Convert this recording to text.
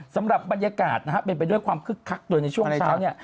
สำหรับบรรยากาศนะฮะเป็นไปด้วยความคึกคักโดยในช่วงเช้าเนี่ย